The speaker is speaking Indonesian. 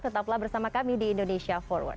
tetaplah bersama kami di indonesia forward